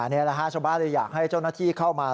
นี้ละ๕ชั่วปะเลยอยากให้เจ้าหน้าที่เข้ามา